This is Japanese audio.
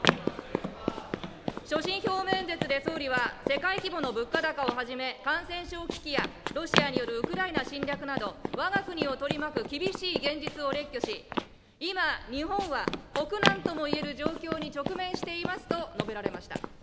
所信表明演説で総理は、世界規模の物価高をはじめ、感染症危機やロシアによるウクライナ侵略など、わが国を取り巻く厳しい現実を列挙し、今、日本は国難ともいえる状況に直面していますと述べられました。